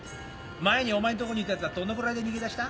前にお前んとこにいた奴はどのくらいで逃げ出した？